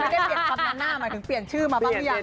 ได้เปลี่ยนคำนั้นหน้าหมายถึงเปลี่ยนชื่อมาบ้างหรือยัง